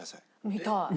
見たい。